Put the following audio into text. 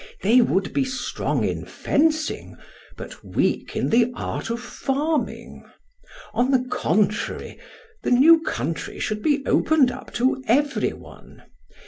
They would be strong in fencing, but weak in the art of farming. On the contrary, the new country should be opened to everyone.